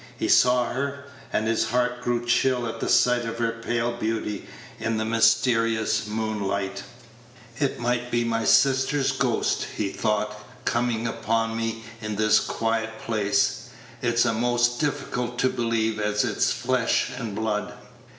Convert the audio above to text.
He saw her, and his heart grew chill at the sight of her pale beauty in the mysterious moonlight. "It might be my sister's ghost," he thought, "coming upon me in this quiet place; it's a'most difficult to believe as it's flesh and blood."